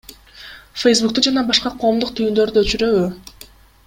Фэйсбукту жана башка коомдук түйүндөрдү өчүрөбү?